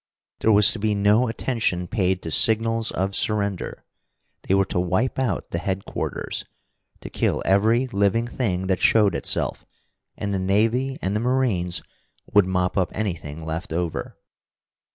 There was to be no attention paid to signals of surrender. They were to wipe out the headquarters, to kill every living thing that showed itself and the navy and the marines would mop up anything left over.